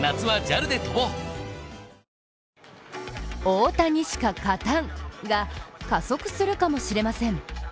大谷しか勝たんが加速するかも知れません。